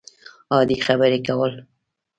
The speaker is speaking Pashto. عادي خبرې کول